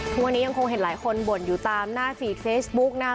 ทุกวันนี้ยังคงเห็นหลายคนบ่นอยู่ตามหน้าฟีดเฟซบุ๊กนะคะ